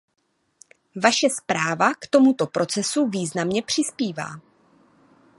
Vaše zpráva k tomuto procesu významně přispívá.